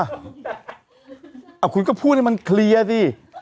เอาคุณก็พูดให้มันเคลียร์สิ